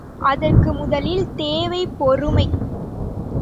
அதற்கு முதலில் தேவை பொறுமை.